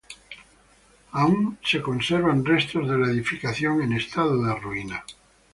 Aún se conservan restos de la edificación, en estado de ruina.